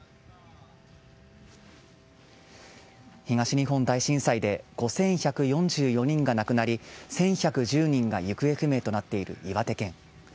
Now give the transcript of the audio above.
東日本大震災で５１４４人が亡くなり１１１０人が行方不明となっている岩手県。